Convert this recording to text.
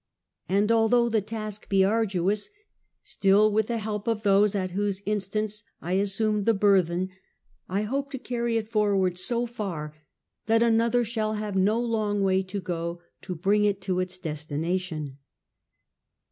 And although the task be arduous, still, with the help of those at whose instance I assumed the burthen, I hope to carry it forward so far, that another shall have no long way to go to bring it to its destination.